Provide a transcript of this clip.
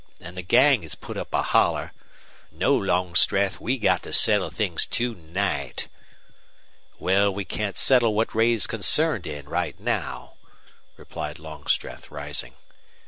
And the gang has put up a holler. No, Longstreth, we've got to settle things to night." "Well, we can settle what Ray's concerned in, right now," replied Longstreth, rising.